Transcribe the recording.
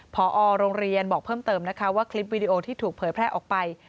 พอโรงเรียนบอกเพิ่มเติมนะคะว่าคลิปวิดีโอที่ถูกเผยแพร่ออกไป